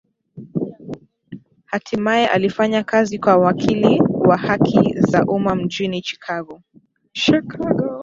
Hatimae alifanya kazi kama wakili wa haki za umma mjini Chicago